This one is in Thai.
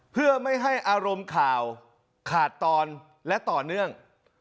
เพื่อไม่ให้อารมณ์ข่าวขาดตอนและต่อเนื่อง